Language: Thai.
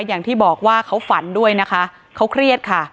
อย่างที่บอกว่าเขาฝันด้วยนะคะเขาเครียดค่ะ